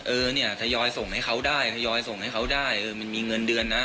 เออเนี่ยทยอยส่งให้เขาได้ทยอยส่งให้เขาได้เออมันมีเงินเดือนนะ